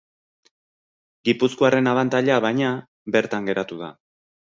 Gipuzkoarren abantaila, baina, bertan geratu da.